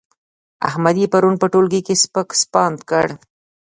احمد يې پرون په ټولګي کې سپک سپاند کړ.